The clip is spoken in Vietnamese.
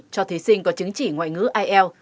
cho thí sinh có chứng chỉ ngoại ngữ ielts